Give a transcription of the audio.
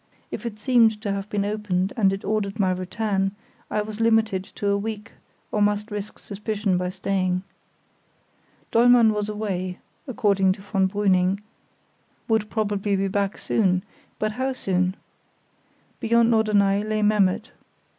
If it seemed to have been opened and it ordered my return, I was limited to a week, or must risk suspicion by staying. Dollmann was away (according to von Brüning), "would probably be back soon"; but how soon? Beyond Norderney lay Memmert.